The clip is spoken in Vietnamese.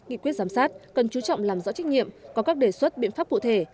nghị quyết giám sát cần chú trọng làm rõ trách nhiệm có các đề xuất biện pháp cụ thể